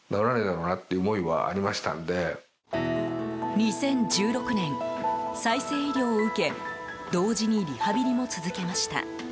２０１６年、再生医療を受け同時にリハビリも続けました。